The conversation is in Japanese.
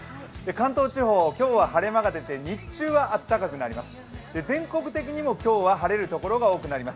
関東地方、今日は晴れ間が出ておはようございます。